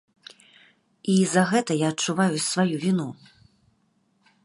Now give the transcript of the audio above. І за гэта я адчуваю сваю віну.